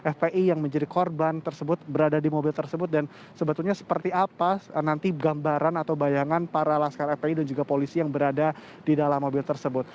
fpi yang menjadi korban tersebut berada di mobil tersebut dan sebetulnya seperti apa nanti gambaran atau bayangan para laskar fpi dan juga polisi yang berada di dalam mobil tersebut